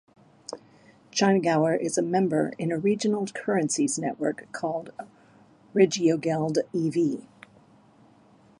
Chiemgauer is a member of a regional currencies' network called Regiogeld e.V.